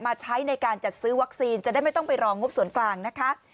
ใช้ในการจัดซื้อวัคซีนจะได้ไม่ต้องไปรองบส่วนกลางนะคะ